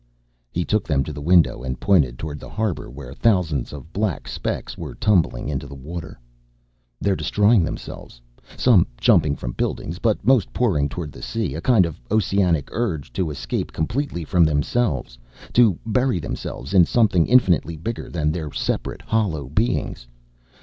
_" He took them to the window and pointed toward the harbor where thousands of black specks were tumbling into the water. "They're destroying themselves! Some jumping from buildings but most pouring toward the sea, a kind of oceanic urge to escape completely from themselves, to bury themselves in something infinitely bigger than their separate hollow beings.